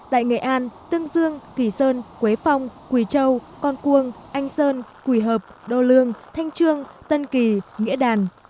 tại nghệ an tương dương kỳ sơn quế phong quỳ châu con cuông anh sơn quỳ hợp đô lương thanh trương tân kỳ nghĩa đàn